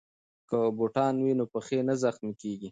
که بوټان وي نو پښې نه زخمي کیږي.